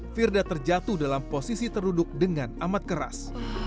firda terjatuh dalam posisi teruduk dengan amat keras